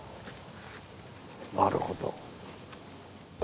なるほど。